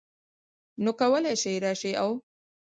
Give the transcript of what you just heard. نو کولی شې راشې او